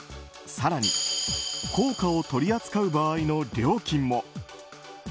更に、硬貨を取り扱う場合の料金も。